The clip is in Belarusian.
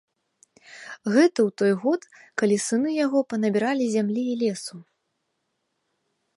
Гэта ў той год, калі сыны яго панабіралі зямлі і лесу.